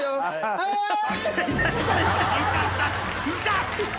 はい？